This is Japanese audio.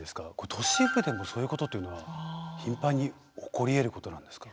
都市部でもそういうことっていうのは頻繁に起こりえることなんですか？